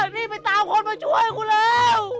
พี่ไปตามคนมาช่วยกูแล้ว